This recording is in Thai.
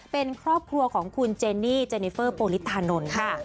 เป็นครอบครัวของคุณเจนี่เจนิเฟอร์โปลิธานนท์ค่ะ